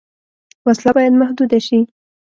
وسله باید محدود شي